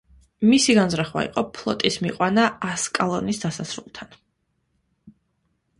მისი განზრახვა იყო ფლოტის მიყვანა ასკალონის დასასრულთან.